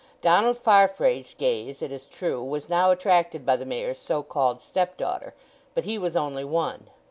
Donald Farfrae's gaze, it is true, was now attracted by the Mayor's so called stepdaughter, but he was only one.